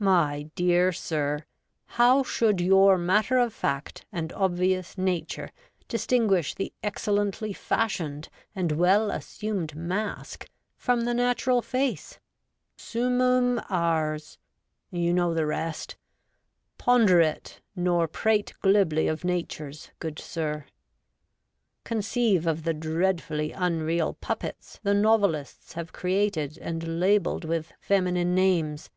My dear sir, how should your matter of fact and obvious nature distinguish the excellently fashioned and well assumed mask from the natural face ? Swnmum ars you know the rest. Ponder it, nor prate glibly of natures, good sir ! Conceive of the dreadfully unreal puppets the novelists have created and labelled with feminine names.